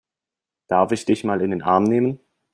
Darf ich dich mal in den Arm nehmen?